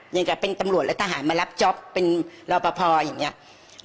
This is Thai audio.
อย่างกับเป็นตำรวจแล้วทหารมารับจ๊อปเป็นรอปภอย่างนี้